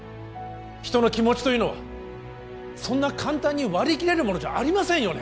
人の気持ちというのはそんな簡単に割り切れるものじゃありませんよね